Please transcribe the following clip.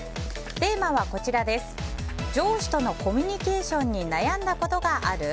テーマは、上司とのコミュニケーションに悩んだことある？